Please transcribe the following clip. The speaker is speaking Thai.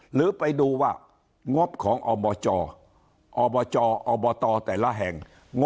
หรือไปดูว่างบของอบจอบจอบตแต่ละแห่งงบ